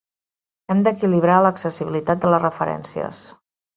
Hem d'equilibrar l'accessibilitat de les referències.